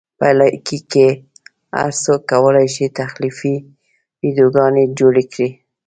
په لایکي کې هر څوک کولی شي تخلیقي ویډیوګانې جوړې کړي.